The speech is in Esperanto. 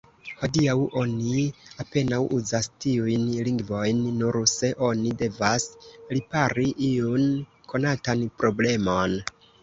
Hodiaŭ oni apenaŭ uzas tiujn lingvojn, nur se oni devas ripari iun konatan problemon.